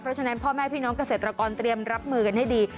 เพราะฉะนั้นพ่อแม่พี่น้องเกษตรกรเตรียมรับมือกันให้ดี